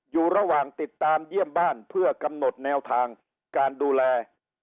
อยู่ระหว่างติดตามเยี่ยมบ้านเพื่อกำหนดแนวทางการดูแล